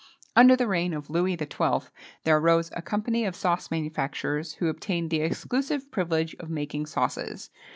Under the reign of Louis XII. there arose a company of sauce manufacturers, who obtained the exclusive privilege of making sauces.